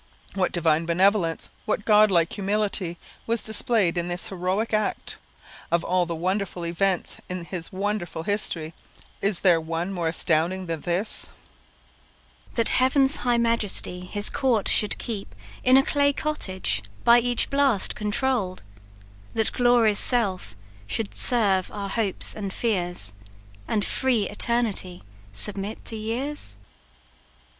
What divine benevolence what god like humility was displayed in this heroic act! Of all the wonderful events in his wonderful history, is there one more astonishing than this "That Heaven's high Majesty his court should keep In a clay cottage, by each blast controll'd, That Glory's self should serve our hopes and fears, And free Eternity submit to years?"